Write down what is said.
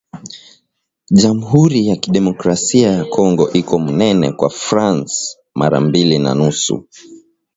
Jamhuri ya kidemocrasia ya kongo iko munene kwa France mara mbili na nusu